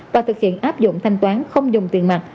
và thực hiện áp dụng thanh toán không dùng tiền mặt